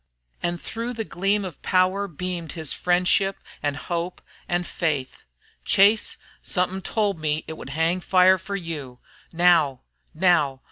And through that gleam of power beamed his friendship and hope and faith. "Chase, somethin' tol' me it would hang fire fer you! Now! Now!